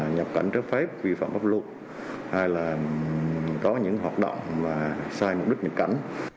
nhập cảnh trái phép vi phạm pháp luật hay là có những hoạt động sai mục đích nhập cảnh